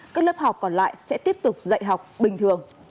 các lớp học còn lại sẽ tiếp tục dạy học bình thường